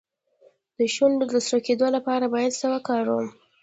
د شونډو د سره کیدو لپاره باید څه شی وکاروم؟